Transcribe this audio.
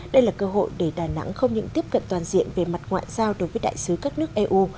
đây là cơ hội để đà nẵng không những tiếp cận toàn diện về mặt ngoại giao đối với đại sứ các nước eu